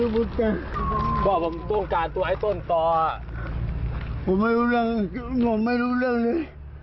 ผมต้องการตัวไอ้ต้นต่อผมไม่รู้เรื่องผมไม่รู้เรื่องเลย